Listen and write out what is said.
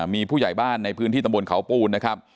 มีผู้ใหญ่บ้านในพื้นที่ตำบลเขาปูนนะครับ